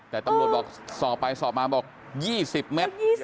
แต่ตำรวจบอกสอบไปสอบมาบอก๒๐เมตร